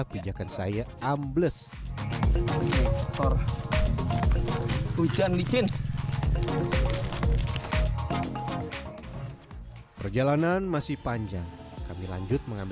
kita masuk proses berikutnya